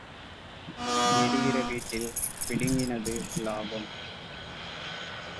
எரிகிற வீட்டில் பிடுங்கினது லாபம்.